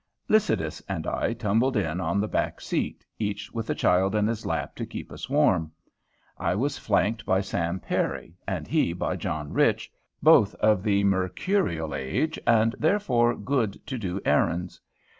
Lycidas and I tumbled in on the back seat, each with a child in his lap to keep us warm; I was flanked by Sam Perry, and he by John Rich, both of the mercurial age, and therefore good to do errands.